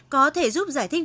có thể giúp giải thích